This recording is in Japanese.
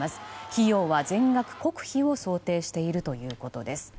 費用は全額国費を想定しているということです。